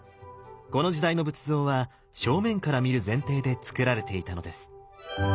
この時代の仏像は正面から見る前提でつくられていたのです。